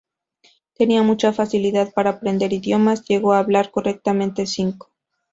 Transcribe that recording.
Tenía mucha facilidad para aprender idiomas, llegó a hablar correctamente cinco.